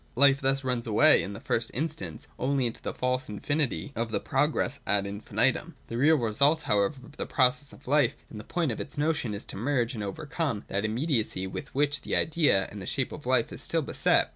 Life thus runs away, in the first instance, only into the false infinity of the progress ad infinitum. The real result, however, of the process of life, in the point of its notion, is to merge and overcome that immediacy with which the idea, in the shape of life, is still beset.